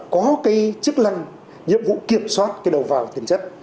có cái chức lăng nhiệm vụ kiểm soát đầu vào tiền chất